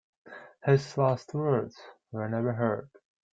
His last words were never heard.